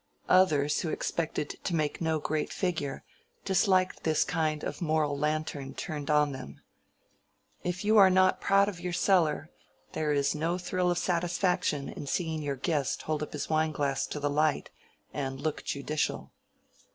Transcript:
Others, who expected to make no great figure, disliked this kind of moral lantern turned on them. If you are not proud of your cellar, there is no thrill of satisfaction in seeing your guest hold up his wine glass to the light and look judicial.